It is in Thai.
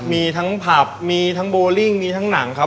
มีทั้งผับมีทั้งโบลิ่งมีทั้งหนังครับ